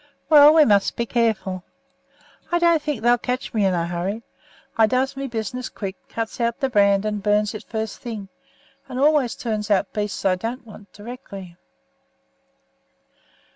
"Well, we must be careful. I don't think they'll catch me in a hurry. You see, I does my business quick: cuts out the brand and burns it first thing, and always turns out beasts I don't want directly."